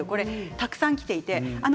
たくさんきています。